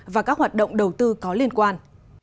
và các hoạt động đầu tư có liên quan